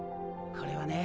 これはね